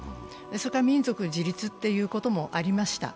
それから民族自立ということもありました。